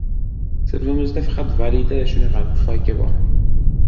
Sinfimizda faqat Valida shunaqa pufayka bor.